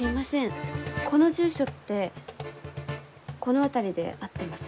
この住所ってこの辺りで合ってます？